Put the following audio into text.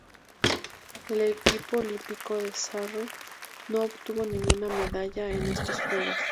El equipo olímpico de Sarre no obtuvo ninguna medalla en estos Juegos.